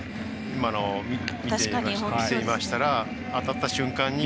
今のを見ていましたら当たった瞬間に。